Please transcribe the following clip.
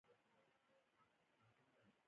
د افغانستان دښتي تاریخي پېښې لري.